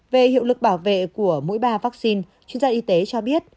về hiệu lực bảo vệ của mỗi ba vaccine chuyên gia y tế cho biết